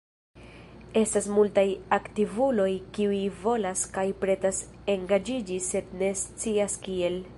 Estas multaj aktivuloj kiuj volas kaj pretas engaĝiĝi sed ne scias kiel.